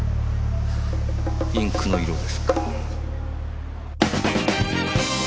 インクの色ですか。